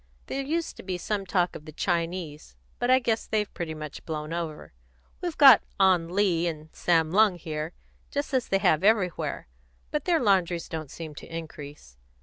There used to be some talk of the Chinese, but I guess they've pretty much blown over. We've got Ah Lee and Sam Lung here, just as they have everywhere, but their laundries don't seem to increase.